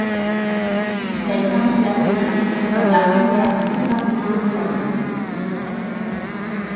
Elle termine la saison comme la première meilleure buteuse de la ligue.